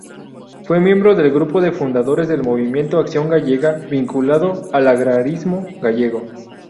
Fue miembro del grupo de fundadores del movimiento Acción Gallega, vinculado al agrarismo gallego.